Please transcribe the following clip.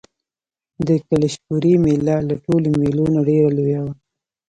د کلشپورې مېله له ټولو مېلو نه ډېره لویه وه.